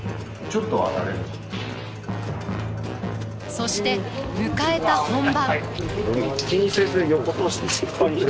そして迎えた本番。